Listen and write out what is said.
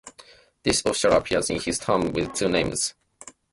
This official appears in his tomb with two names: Meryneith and Meryre.